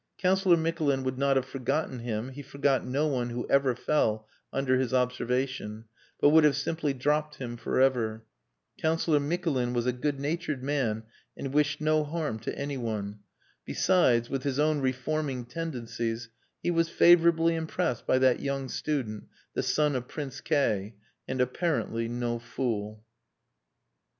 Councillor Mikulin would not have forgotten him (he forgot no one who ever fell under his observation), but would have simply dropped him for ever. Councillor Mikulin was a good natured man and wished no harm to anyone. Besides (with his own reforming tendencies) he was favourably impressed by that young student, the son of Prince K , and apparently no fool.